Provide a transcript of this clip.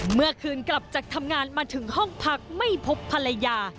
เมื่อคืนกลับจากทำงานมาถึงห้องพักไม่พบภรรยา